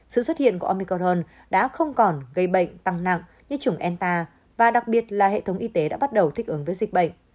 sự xuất hiện của omicorn đã không còn gây bệnh tăng nặng như chủng enta và đặc biệt là hệ thống y tế đã bắt đầu thích ứng với dịch bệnh